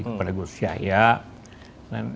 kepada gus syahyak